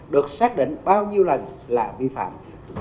được xác định bao nhiêu lần là vi phạm